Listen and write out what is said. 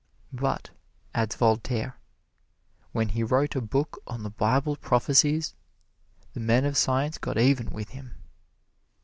"But," adds Voltaire, "when he wrote a book on the Bible prophecies, the men of science got even with him."